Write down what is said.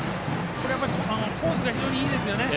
コースが非常にいいですね。